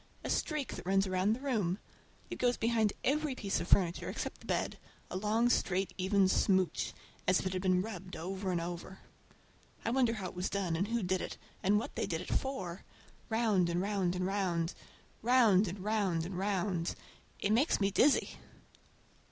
A streak that runs round the room. It goes behind every piece of furniture, except the bed, a long, straight, even smooch, as if it had been rubbed over and over. I wonder how it was done and who did it, and what they did it for. Round and round and round—round and round and round—it makes me dizzy!